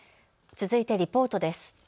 続いてリポートです。